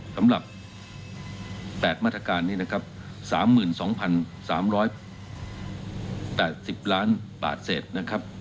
สำหรับ๘มาตรการนี้๓๒๓๘๐ล้านบาทเสร็จ